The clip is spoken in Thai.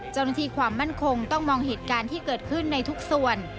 เจ้าหน้าที่ความมั่นคงต้องมองเหตุการณ์ที่เกิดขึ้นในทุกส่วน